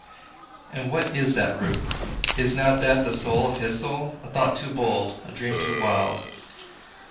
And what is that Root? Is not that the soul of his soul? A thought too bold, a dream too wild.